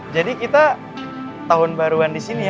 jadi kita tahun baruan disini ya